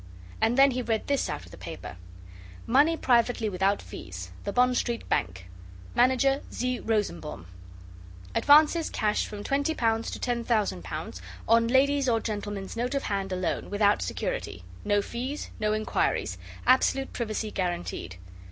and then he read this out of the paper MONEY PRIVATELY WITHOUT FEES THE BOND STREET BANK Manager, Z. Rosenbaum. Advances cash from L20 to L10,000 on ladies' or gentlemen's note of hand alone, without security. No fees. No inquiries. Absolute privacy guaranteed.